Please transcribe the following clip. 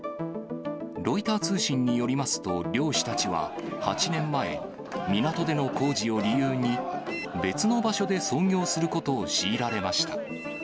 ロイター通信によりますと、漁師たちは８年前、港での工事を理由に、別の場所で操業することを強いられました。